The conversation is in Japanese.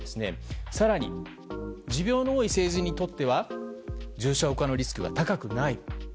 更に持病の多い成人にとっては重症化のリスクが高くない。